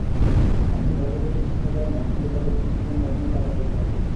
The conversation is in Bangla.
আপনি বাইরে যেতে পছন্দ করেন, আপনি কোপাতে বসেছিলেন, তারমানে টাকাপয়সা আছে।